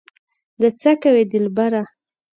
دا څه کوې دلبره